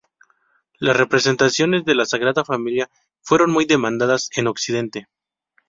Las representaciones de la Sagrada Familia fueron muy demandadas en Occidente.